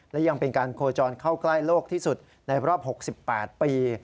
และยังเป็นการโคจรเข้าใกล้โลกที่สุดในรอบ๖๘ปี